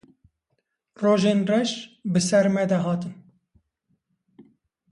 Rojên reş bi ser me de hatin.